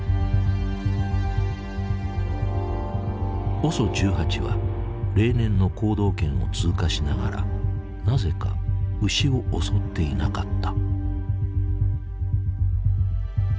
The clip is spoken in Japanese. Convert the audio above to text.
ＯＳＯ１８は例年の行動圏を通過しながらなぜか牛を襲っていなかった。